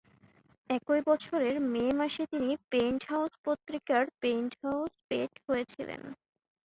একই বছরের মে মাসে তিনি পেন্টহাউস পত্রিকার পেন্টহাউস পেট হয়েছিলেন।